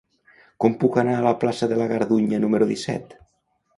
Com puc anar a la plaça de la Gardunya número disset?